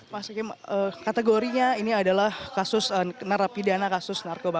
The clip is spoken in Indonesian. mas hakim kategorinya ini adalah kasus narapidana kasus narkoba